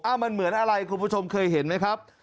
มันเหมือนอะไรคุณผู้ชมเคยเห็นไหมครับ